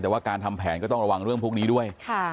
แต่ว่าการทำแผนก็ต้องระวังเรื่องพวกนี้ด้วย